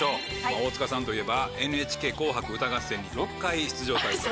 大塚さんといえば『ＮＨＫ紅白歌合戦』に６回出場されてます。